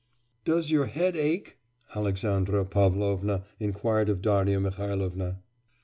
'Does your head ache?' Alexandra Pavlovna inquired of Darya Mihailovna.